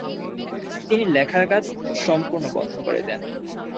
তিনি লেখার কাজ সম্পূর্ণ বন্ধ করে দেন।